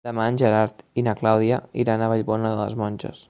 Demà en Gerard i na Clàudia iran a Vallbona de les Monges.